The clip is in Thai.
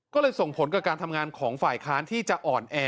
ก็เลยส่งผลกับการทำงานของฝ่ายค้านที่จะอ่อนแอ